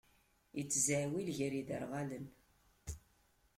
Ittzaɛwil gar iderɣalen.